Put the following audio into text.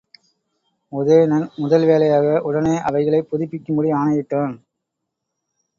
உதயணன் முதல் வேலையாக உடனே அவைகளைப் புதுப்பிக்கும்படி ஆணையிட்டான்.